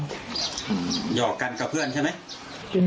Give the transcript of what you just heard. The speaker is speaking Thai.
หยอกกันกับเพื่อนใช่ไหม